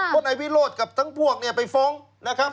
คนไอนวิโรธกับทั้งพวกไปฟ้องนะครับ